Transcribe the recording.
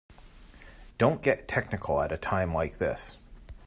Don't get technical at a time like this.